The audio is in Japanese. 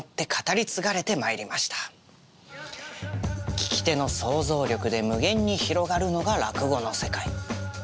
聴き手の想像力で無限に広がるのが落語の世界。